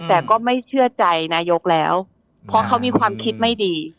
แต่ก็ไม่เชื่อใจนายกแล้วเพราะเขามีความคิดไม่ดี